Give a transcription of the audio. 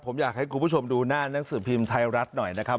ผมอยากให้คุณผู้ชมดูหน้านังสือพิมพ์ไทยรัฐหน่อยนะครับ